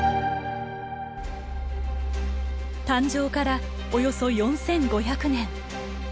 誕生からおよそ４，５００年。